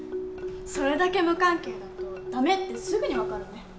それだけ無関係だとダメってすぐに分かるね。